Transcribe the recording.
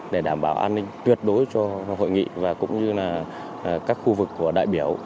để đảm bảo an ninh tuyệt đối cho hội nghị và cũng như là các khu vực của đại biểu